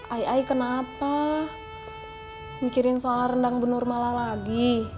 aya kenapa mikirin soal rendang benur malah lagi